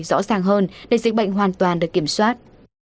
rõ ràng hơn để dịch bệnh hoàn toàn được kiểm soát